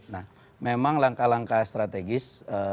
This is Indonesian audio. nah memang langkah langkah strategis